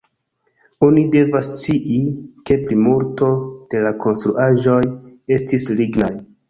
Oni devas scii, ke plimulto de la konstruaĵoj estis lignaj.